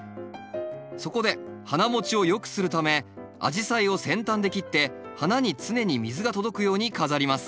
そこで花もちをよくするためアジサイを先端で切って花に常に水が届くように飾ります。